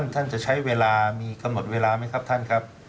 ท่านจะใช้เวลามีกำหนดเวลาไหมครับท่านครับ